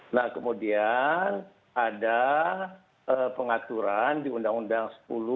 nah kemudian ada pengaturan di undang undang sepuluh dua ribu